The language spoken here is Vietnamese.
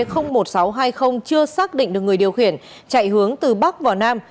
chưa xác định được người điều khiển chạy hướng từ bắc vào nam